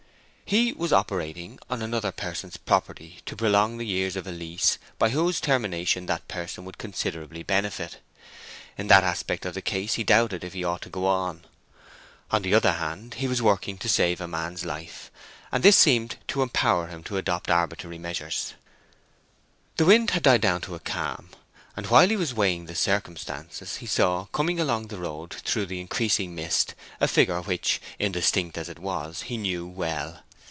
He was operating on another person's property to prolong the years of a lease by whose termination that person would considerably benefit. In that aspect of the case he doubted if he ought to go on. On the other hand he was working to save a man's life, and this seemed to empower him to adopt arbitrary measures. The wind had died down to a calm, and while he was weighing the circumstances he saw coming along the road through the increasing mist a figure which, indistinct as it was, he knew well.